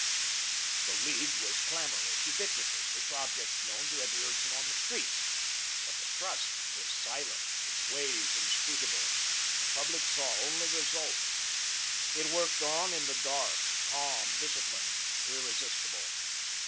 The League was clamorous, ubiquitous, its objects known to every urchin on the streets, but the Trust was silent, its ways inscrutable, the public saw only results. It worked on in the dark, calm, disciplined, irresistible.